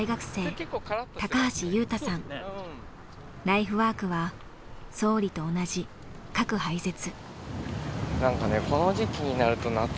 ライフワークは総理と同じ核廃絶。